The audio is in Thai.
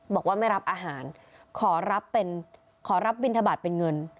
บอกว่าไม่รับอาหารขอรับบิณฑบัตรเป็นเงิน